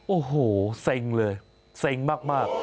โอ้โหเซ็งเลยเซ็งมาก